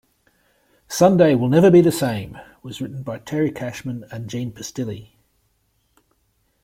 "Sunday Will Never Be the Same" was written by Terry Cashman and Gene Pistilli.